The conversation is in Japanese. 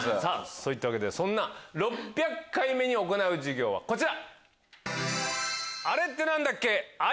そういったわけで６００回目に行う授業はこちら！